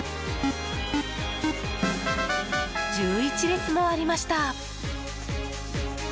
１１列もありました。